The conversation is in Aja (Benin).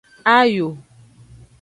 Ayo.